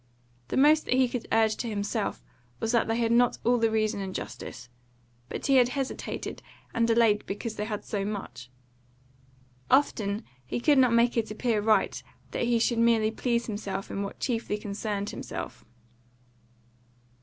The most that he could urge to himself was that they had not all the reason and justice; but he had hesitated and delayed because they had so much. Often he could not make it appear right that he should merely please himself in what chiefly concerned himself.